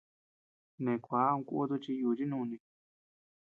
Neʼe kua ama kutu chi yuchi núni.